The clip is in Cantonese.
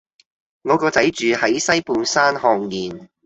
我個仔住喺西半山瀚然